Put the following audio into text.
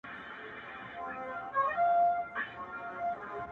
د زړه په كور كي مي بيا غم سو، شپه خوره سوه خدايه،